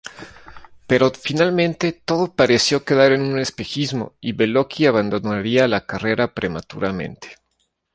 Pero finalmente todo pareció quedar en un espejismo y Beloki abandonaría la carrera prematuramente.